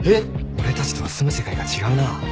俺たちとは住む世界が違うな。